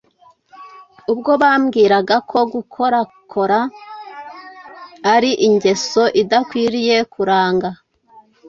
Ubwo bambwiraga ko gukorakora ari ingeso idakwiriye kuranga